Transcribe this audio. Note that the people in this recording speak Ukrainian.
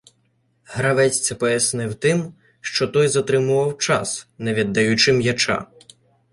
Гравець це пояснив тим, що той затримував час, не віддаючи м'яча.